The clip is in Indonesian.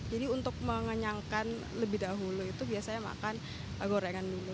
jadi untuk mengenyangkan lebih dahulu itu biasanya makan gorengan dulu